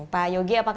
pak yogi apa kabar